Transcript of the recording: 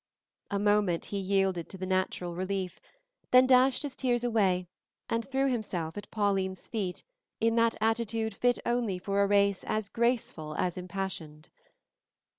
A moment he yielded to the natural relief, then dashed his tears away and threw himself at Pauline's feet in that attitude fit only for a race as graceful as impassioned.